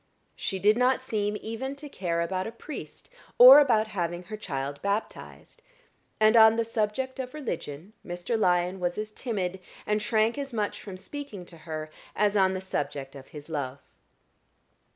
She did not seem even to care about a priest, or about having her child baptized; and on the subject of religion Mr. Lyon was as timid, and shrank as much from speaking to her, as on the subject of his love.